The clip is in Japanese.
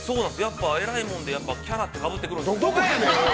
◆えらいもんでキャラ、かぶってくるんですね。